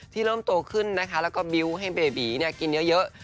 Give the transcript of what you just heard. เริ่มโตขึ้นนะคะแล้วก็บิวต์ให้เบบีกินเยอะ